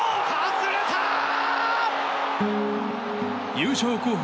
優勝候補